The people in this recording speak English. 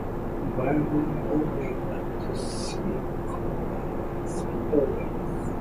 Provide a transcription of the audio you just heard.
Well, we are always glad to see Comrade Robinson, always.